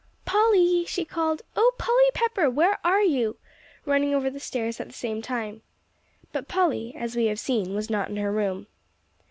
"Polly," she called. "Oh, Polly Pepper, where are you?" running over the stairs at the same time. But Polly, as we have seen, was not in her room.